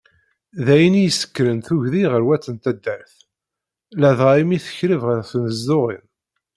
D ayen i isekkren tuggdi gar wat n taddart, ladɣa imi teqreb yer tnezduɣin.